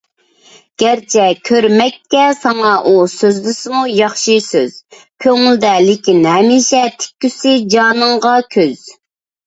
گەرچە كۆرمەككە ساڭا ئۇ سۆزلىسىمۇ ياخشى سۆز، كۆڭلىدە لېكىن ھەمىشە تىككۈسى جانىڭغا كۆز.